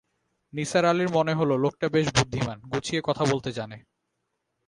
নিসার আলির মনে হল লোকটা বেশ বুদ্ধিমান, গুছিয়ে কথা বলতে জানে।